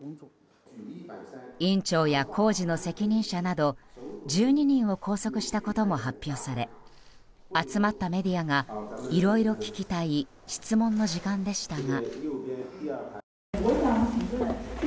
院長や工事の責任者など１２人を拘束したことも発表され集まったメディアがいろいろ聞きたい質問の時間でしたが。